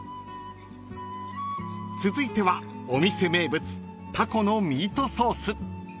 ［続いてはお店名物タコのミートソース］